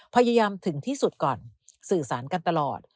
พยายามถึงที่สุดก่อนสื่อสารกันตลอด